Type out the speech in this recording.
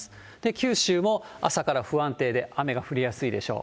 九州も朝から不安定で雨が降りやすいでしょう。